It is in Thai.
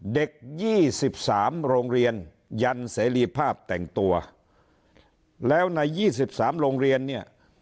๒๓โรงเรียนยันเสรีภาพแต่งตัวแล้วใน๒๓โรงเรียนเนี่ย